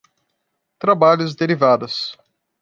Trabalhos derivados.